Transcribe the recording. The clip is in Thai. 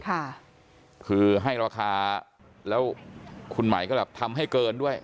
ค่ะคือให้ราคาแล้วคุณหมายก็แบบทำให้เกินด้วย